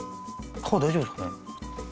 皮大丈夫ですかね？